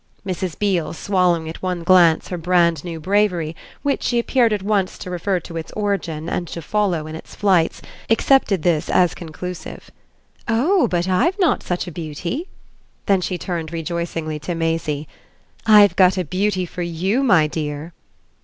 Mrs. Beale, swallowing at one glance her brand new bravery, which she appeared at once to refer to its origin and to follow in its flights, accepted this as conclusive. "Oh but I've not such a beauty!" Then she turned rejoicingly to Maisie. "I've got a beauty for YOU my dear."